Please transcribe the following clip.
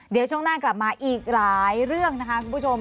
เดี๋ยวช่วงหน้ากลับมาอีกหลายเรื่องนะคะคุณผู้ชม